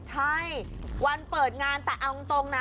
ใช่วันเปิดงานแต่เอาตรงนะ